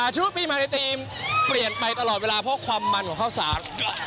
ชุดปีมาในทีมเปลี่ยนไปตลอดเวลาเพราะความมันของข้าวสาร